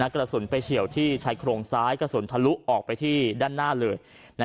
กระสุนไปเฉียวที่ชายโครงซ้ายกระสุนทะลุออกไปที่ด้านหน้าเลย